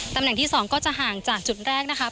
ตำแหน่งที่๒ก็จะห่างจากจุดแรกนะคะ